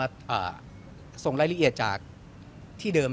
ไม่เรามาส่งรายละเอียดจากที่เดิม